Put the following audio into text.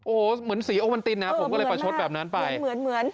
โอ้โหเหมือนสีโอมันตินนะผมก็เลยประชดแบบนั้นไปเหมือนเหมือน